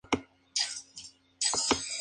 Pero Arsenio no se ha reformado.